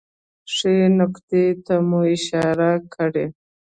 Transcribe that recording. ښې نکتې ته مو اشاره کړې